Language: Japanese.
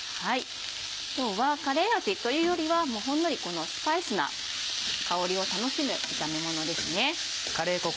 今日はカレー味というよりはほんのりスパイスな香りを楽しむ炒めものですね。